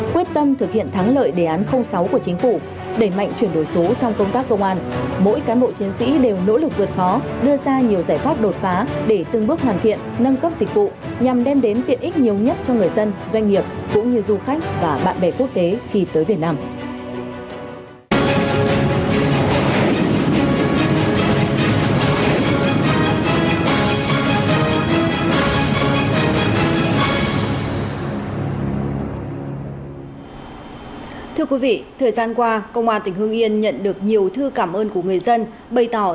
quyết tâm thực hiện thắng lợi đề án sáu của chính phủ đẩy mạnh chuyển đổi số trong công tác công an mỗi cán bộ chiến sĩ đều nỗ lực vượt khó đưa ra nhiều giải pháp đột phá để từng bước hoàn thiện nâng cấp dịch vụ nhằm đem đến tiện ích nhiều nhất cho người dân doanh nghiệp cũng như du khách và bạn